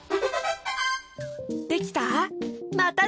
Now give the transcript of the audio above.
できた？